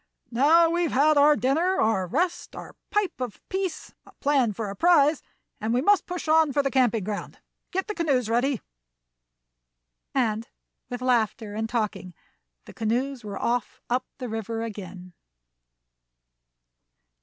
"Now we've had our dinner, our rest, our pipe of peace, a plan for a prize, and we must push on for the camping ground. Get the canoes ready." And, with laughter and talking, the canoes were off up the river again.